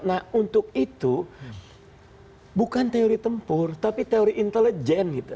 nah untuk itu bukan teori tempur tapi teori intelijen gitu